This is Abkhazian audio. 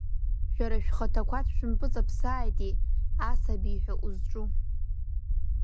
Шәара шәхаҭақәа дшәымпыҵамԥсааити, асабиҳәа узҿу!